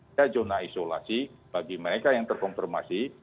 ada zona isolasi bagi mereka yang terkonfirmasi